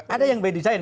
ada yang by design